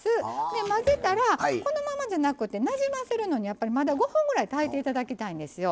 混ぜたら、このままじゃなくてなじませるのに、まだ５分くらい炊いていただきたいんですよ。